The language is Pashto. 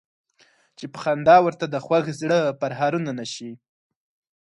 چې په خندا ورته د خوږ زړه پرهارونه نه شي.